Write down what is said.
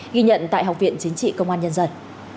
ghi nhận tại học viện chính trị công an nhân dân